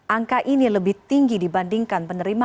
angka ini lebih tinggi dibandingkan penerimaan